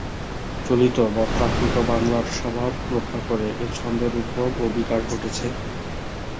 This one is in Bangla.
চলিত বা প্রাকৃত বাংলার স্বভাব রক্ষা করে এ ছন্দের উদ্ভব ও বিকাশ ঘটেছে।